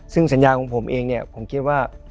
ซึ่งสัญญาของผมเองเนี่ยผมคิดว่า